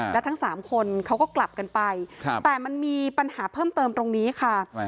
และทั้ง๓คนเขาก็กลับกันไปแต่มันมีปัญหาเพิ่มเติมตรงนี้ค่ะ